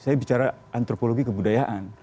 saya bicara antropologi kebudayaan